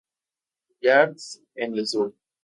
Yards en el sur.